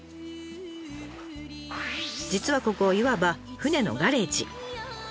実はここいわば船のガレージ。